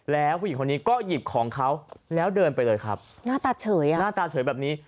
แล้วผู้หญิงคนนี้ก็หยิบของเขาแล้วเดินไปเลยครับหน้าตาเฉยอ่ะหน้าตาเฉยแบบนี้